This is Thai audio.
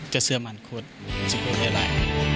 จะเสื่อมานครอสซิโกให้ได้